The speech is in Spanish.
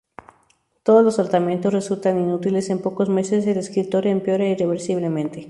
Todos los tratamientos resultan inútiles: en pocos meses el escritor empeora irreversiblemente.